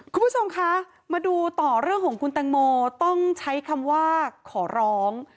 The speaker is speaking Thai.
คุณผู้ชมคะมาดูต่อเรื่องของคุณแตงโมต้องใช้คำว่าขอร้อง